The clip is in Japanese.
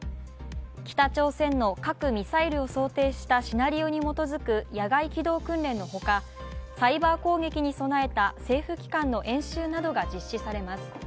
北朝鮮の核・ミサイルを想定したシナリオに基づく野外機動訓練のほか、サイバー攻撃に備えた政府機関の演習などが実施されます。